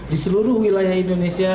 di seluruh wilayah indonesia